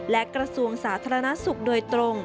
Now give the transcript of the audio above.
และกระทรวงสาธารณสุขโดยตรง